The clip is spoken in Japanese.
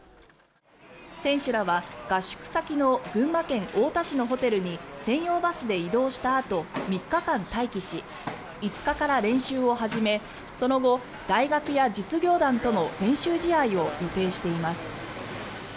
選手らは合宿先の群馬県太田市のホテルに専用バスで移動したあと３日間待機し５日から練習を始めその後、大学や実業団との練習試合を予定しています。